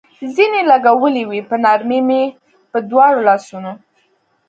زنې لګولې وې، په نرمۍ مې په دواړو لاسونو.